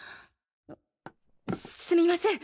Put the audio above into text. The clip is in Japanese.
すみません。